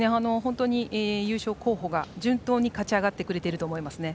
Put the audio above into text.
優勝候補が順当に勝ち上がってくれてると思いますね。